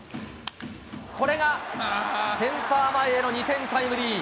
これがセンター前への２点タイムリー。